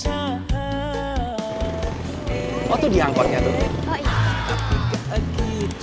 oh itu diangkutnya tuh